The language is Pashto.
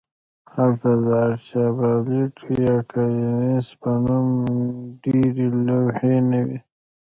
هلته د آرچیبالډ یا کلیرنس په نوم ډیرې لوحې نه وې